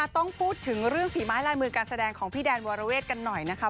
ต้องพูดถึงเรื่องฝีไม้ลายมือการแสดงของพี่แดนวรเวทกันหน่อยนะคะ